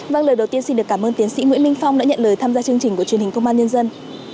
vâng lời đầu tiên xin được cảm ơn tiến sĩ nguyễn minh phong đã nhận lời tham gia chương trình của truyền hình công an nhân dân